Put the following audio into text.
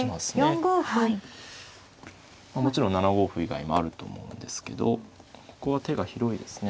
もちろん７五歩以外もあると思うんですけどここは手が広いですね。